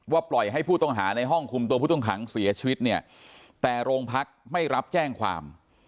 ปล่อยให้ผู้ต้องหาในห้องคุมตัวผู้ต้องขังเสียชีวิตเนี่ยแต่โรงพักไม่รับแจ้งความ